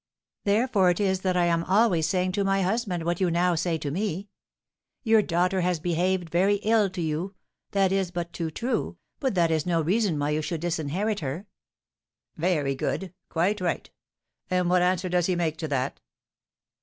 Therefore it is that I am always saying to my husband what you now say to me, 'Your daughter has behaved very ill to you, that is but too true; but that is no reason why you should disinherit her.'" "Very good, quite right! And what answer does he make to that?"